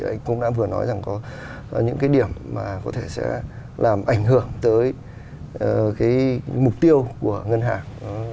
anh cũng đã vừa nói rằng có những cái điểm mà có thể sẽ làm ảnh hưởng tới cái mục tiêu của ngân hàng